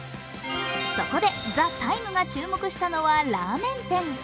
そこで「ＴＨＥＴＩＭＥ，」が注目したのはラーメン店。